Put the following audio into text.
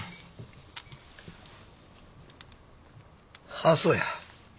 ああそうや。